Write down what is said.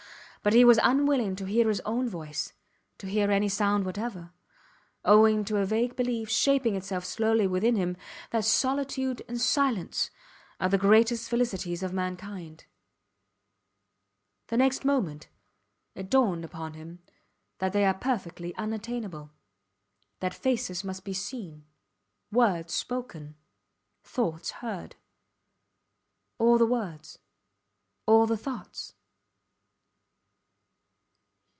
But he was unwilling to hear his own voice to hear any sound whatever owing to a vague belief, shaping itself slowly within him, that solitude and silence are the greatest felicities of mankind. The next moment it dawned upon him that they are perfectly unattainable that faces must be seen, words spoken, thoughts heard. All the words all the thoughts!